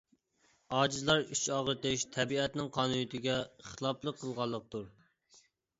ئاجىزلار ئىچ ئاغرىتىش تەبىئەتنىڭ قانۇنىيىتىگە خىلاپلىق قىلغانلىقتۇر.